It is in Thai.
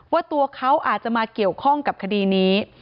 ว่าตัวเขาอาจจะมาเกี่ยวข้องกับคดีนี้